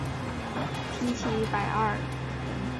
缇骑二百人。